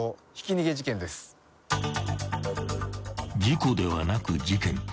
［事故ではなく事件］